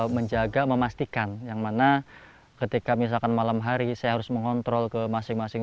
menjaga memastikan yang mana ketika misalkan malam hari saya harus mengontrol ke masing masing